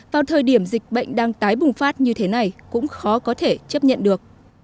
vào thời điểm dịch bệnh đang tái bùng phát như thế này cũng khó có thể chấp nhận được